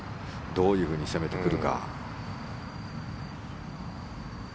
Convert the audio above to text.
どういうふうに攻めてくるか。